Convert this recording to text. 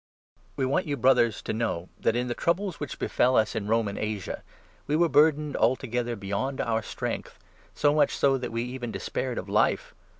We 8 want you, Brothers, to know that, in the troubles which befel us in Roman Asia, we were burdened altogether beyond our strength, so much so that we even despaired of life.